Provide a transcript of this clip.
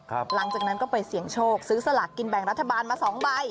หลังจากนั้นก็ไปเสี่ยงโชคซื้อสลากกินแบ่งรัฐบาลมาสองใบ